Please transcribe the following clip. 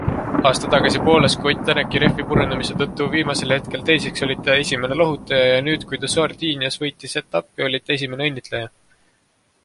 Aasta tagasi Poolas, kui Ott Tänak jäi rehvi purunemise tõttu viimasel hetkel teiseks, olite esimene lohutaja, ja nüüd, kui ta Sardiinias võitis etapi, olite esimene õnnitleja.